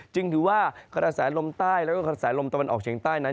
จึงถือว่ากระแสลมใต้แล้วก็กระแสลมตะวันออกเฉียงใต้นั้น